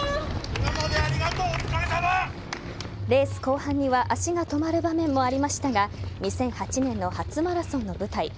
レース後半には足が止まる場面もありましたが２００８年の初マラソンの舞台